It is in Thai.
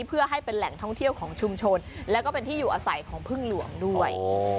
เพื่อให้เป็นแหล่งท่องเที่ยวของชุมชนแล้วก็เป็นที่อยู่อาศัยของพึ่งหลวงด้วย